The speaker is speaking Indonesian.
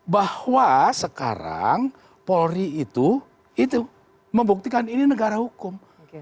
bahwa sekarang polri itu membuktikan ini negara hukum